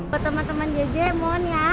buat teman teman jj mohon ya